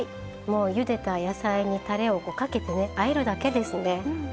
もうゆでた野菜にたれをかけてねあえるだけですね。